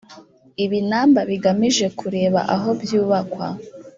ibinamba bigamije kureba ahobyubakwa.